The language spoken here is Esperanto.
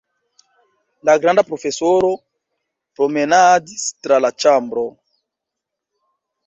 La granda profesoro promenadis tra la ĉambro.